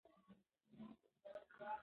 کله چې زه راغلم هغوی په مطالعه بوخت وو.